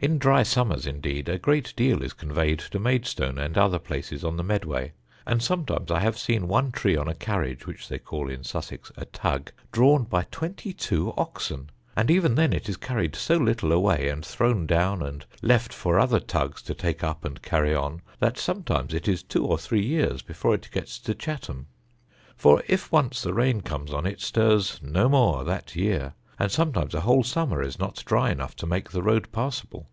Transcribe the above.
In dry summers, indeed, a great deal is conveyed to Maidstone and other places on the Medway; and sometimes I have seen one tree on a carriage, which they call in Sussex a tug, drawn by twenty two oxen; and, even then, it is carried so little a way, and thrown down, and left for other tugs to take up and carry on, that sometimes it is two or three years before it gets to Chatham. For, if once the rain comes on, it stirs no more that year, and sometimes a whole summer is not dry enough to make the road passable.